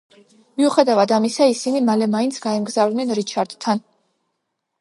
მიუხედავად ამისა ისინი მალე მაინც გაემგზავრნენ რიჩარდთან.